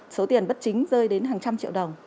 số tiền bất chính rơi đến hàng trăm triệu đồng